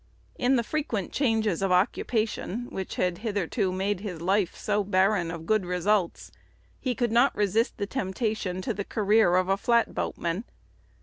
In the frequent changes of occupation, which had hitherto made his life so barren of good results, he could not resist the temptation to the career of a flat boatman.